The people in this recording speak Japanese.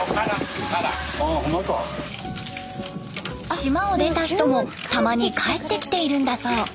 島を出た人もたまに帰ってきているんだそう。